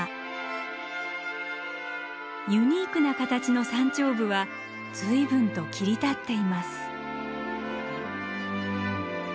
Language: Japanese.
ユニークな形の山頂部は随分と切り立っています。